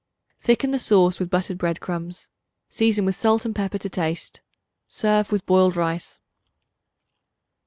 Thicken the sauce with buttered bread crumbs; season with salt and pepper to taste. Serve with boiled rice.